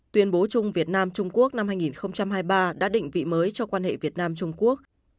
tuyên bố chung việt nam trung quốc năm hai nghìn hai mươi ba đã định vị mới cho quan hệ việt nam trung quốc